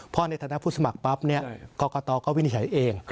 พอในฐานะผู้สมัครปั๊บกรกตก็วินิจฉัยเอง